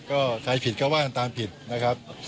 ก็ใครผิดก็ว่ากันตามผิดนะครับ